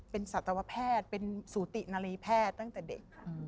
เป็นสัตวแพทย์เป็นสูตินารีแพทย์ตั้งแต่เด็กค่ะ